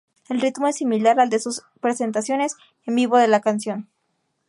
El ritmo es similar al de sus presentaciones en vivo de la canción.